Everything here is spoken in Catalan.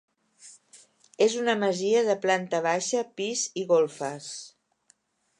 És una masia de planta baixa, pis i golfes.